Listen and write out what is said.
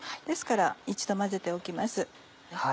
ですから一度混ぜておきます。